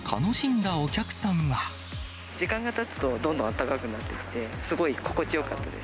時間がたつと、どんどんあったかくなってきて、すごい心地よかったです。